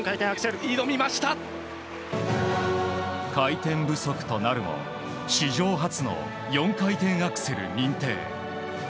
回転不足となるも史上初の４回転アクセル認定。